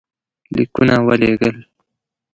لیکونه ولېږل.